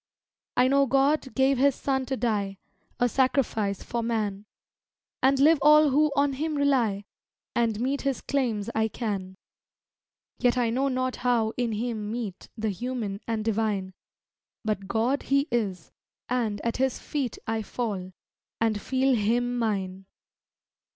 I know God gave His Son to die A sacrifice for man, And live all who on Him rely, And meet His claims I can, Yet I know not how in Him meet The human and divine; But God He is, and at His feet I fall, and feel Him mine.